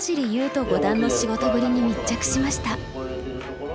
人五段の仕事ぶりに密着しました。